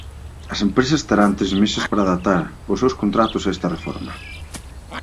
As empresas terán tres meses para adaptar os seus contratos a esta reforma.